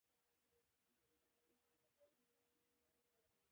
له څه ډول انسان سره یې سر و کار دی.